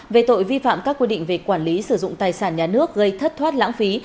về tội vi phạm các quy định về quản lý sử dụng tài sản nhà nước gây thất thoát lãng phí